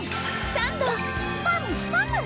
サンド！